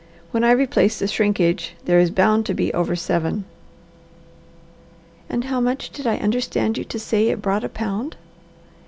When I replace the shrinkage there is bound to be over seven." "And how much did I understand you to say it brought a pound?"